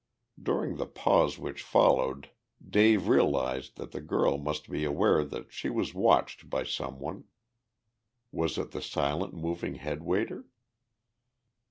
During the pause which followed Dave realized that the girl must be aware that she was watched by some one. Was it the silent moving head waiter?